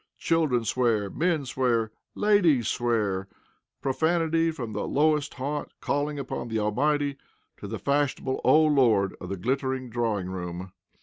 Children swear, men swear, ladies (!) swear. Profanity from the lowest haunt calling upon the Almighty, to the fashionable "O Lord!" of the glittering drawing room.